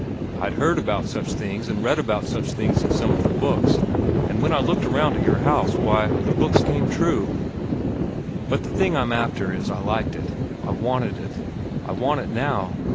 I'd heard about such things an' read about such things in some of the books, an' when I looked around at your house, why, the books come true. But the thing I'm after is I liked it. I wanted it. I want it now.